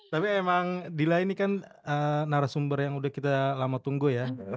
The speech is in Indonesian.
tapi emang dila ini kan narasumber yang udah kita lama tunggu ya